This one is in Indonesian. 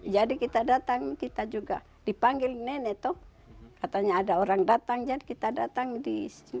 jadi kita datang kita juga dipanggil nenek toh katanya ada orang datang jahat kita datang di